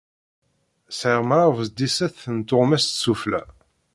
Sɛiɣ mraw sḍiset n tuɣmas sufella.